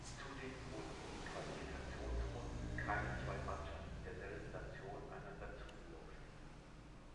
Zudem wurden in den Qualifikationsrunden keine zwei Mannschaften derselben Nation einander zugelost.